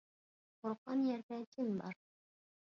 قورققان يەردە جىن بار.